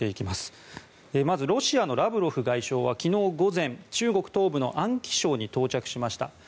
まず、ロシアのラブロフ外相は昨日午前中国東部の安徽省に到着しました。